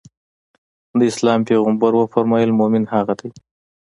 د اسلام پيغمبر ص وفرمايل مومن هغه دی.